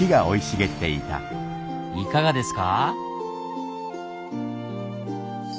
いかがですか？